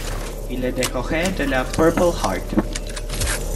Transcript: Il est décoré de la Purple Heart.